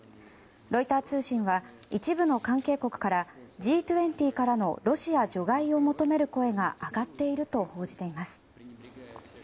ロイター通信は一部の関係国からＧ２０からのロシア除外を求める声が上がっていると報じています。